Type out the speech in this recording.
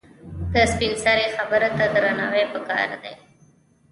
د سپینسرې خبره ته درناوی پکار دی.